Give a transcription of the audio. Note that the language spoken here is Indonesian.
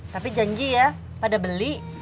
tapi janji ya pada beli